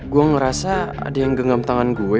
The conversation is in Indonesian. gue ngerasa ada yang genggam tangan gue